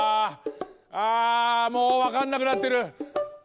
あもうわかんなくなってる！